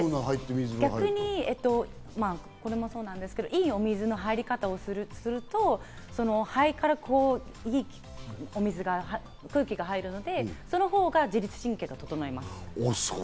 逆にこれもそうなんですけど、いいお水の入り方をすると空気が入るので、そのほうが自律神経が整うと思います。